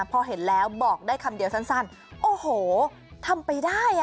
พอเห็นแล้วบอกได้คำเดียวสั้นโอ้โหทำไปได้อ่ะ